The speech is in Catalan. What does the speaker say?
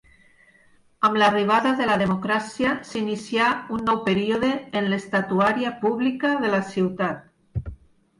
Amb l'arribada de la democràcia s’inicià un nou període en l'estatuària pública de la ciutat.